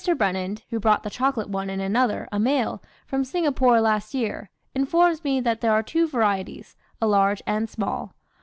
Brennand, who brought the chocolate one and another, a male, from Singapore last year, informs me that there are two varieties, a large and small.